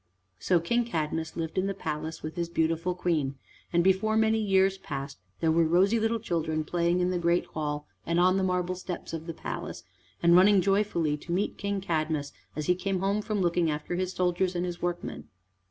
So King Cadmus lived in the palace with his beautiful Queen, and before many years passed there were rosy little children playing in the great hall, and on the marble steps of the palace, and running joyfully to meet King Cadmus as he came home from looking after his soldiers and his workmen.